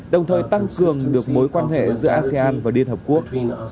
đồng thời tăng cường được mối quan hệ giữa asean và liên hợp quốc